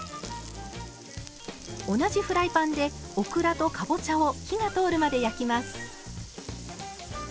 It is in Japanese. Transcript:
同じフライパンでオクラとかぼちゃを火が通るまで焼きます。